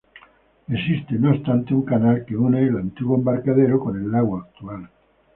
Existe, no obstante, un canal que une el antiguo embarcadero con el lago actual.